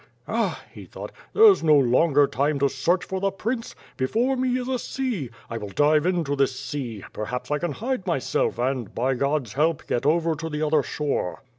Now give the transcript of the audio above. "Ah!" he thought, "there's no longer time to search for the prince. Before mc is a sea. I will dive into this sea; perhaps I can hide myself and, by God's help, get over to the other shore."